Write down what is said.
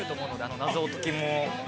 謎解きも。